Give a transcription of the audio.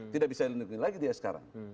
tidak bisa dilindungi lagi dia sekarang